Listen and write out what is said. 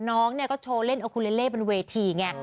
น้องก็โชว์เล่นโอคูเรลเลบนเวทีไง